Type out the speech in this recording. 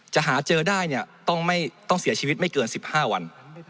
หาเจอได้เนี่ยต้องเสียชีวิตไม่เกิน๑๕วัน